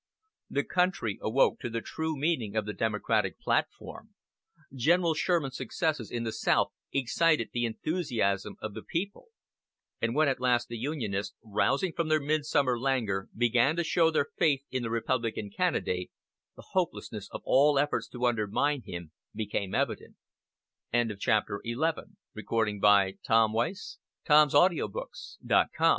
The country awoke to the true meaning of the Democratic platform; General Sherman's successes in the South excited the enthusiasm of the people; and when at last the Unionists, rousing from their midsummer languor, began to show their faith in the Republican candidate, the hopelessness of all efforts to undermine him became evident. XII. THE CONQUEROR OF A GREAT REBELLION The presidential election of 1864